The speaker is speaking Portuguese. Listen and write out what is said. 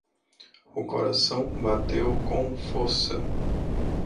O coração bateu com força.